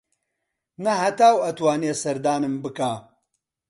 نە هەتاو ئەتوانێ سەردانم بکا